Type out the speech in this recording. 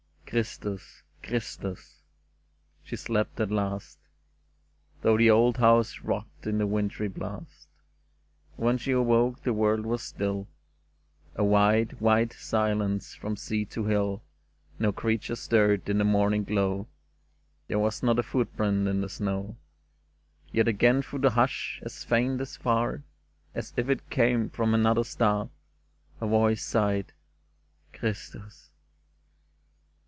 '* Christus ! Christus !" She slept at last. Though the old house rocked in the wintry blast ; And when she awoke the world was still, A wide, white silence from sea to hill. No creature stirred in the morning glow ; There was not a footprint in the snow ; Yet again through the hush, as faint and far As if it came from another star, A voice sighed " Christus !" l64 '' CHRISTUS